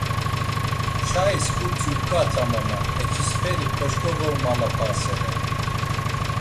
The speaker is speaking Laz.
Çais ǩurtzi uǩatam ama eçisperik ǩoşǩogoğmalapasere.